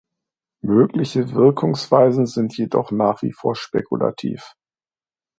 Mögliche Wirkungsweisen sind jedoch nach wie vor spekulativ.